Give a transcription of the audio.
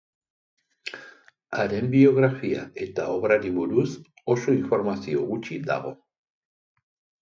Haren biografia eta obrari buruz oso informazio gutxi dago.